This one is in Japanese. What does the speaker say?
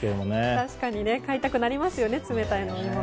確かに買いたくなりますよね冷たい飲み物。